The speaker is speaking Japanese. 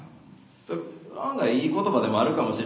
案外いい言葉でもあるかもしれないなって。